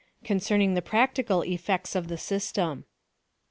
CUNCEUNING THE PRACTICAL EFFECTS OF fllK SYSTEM.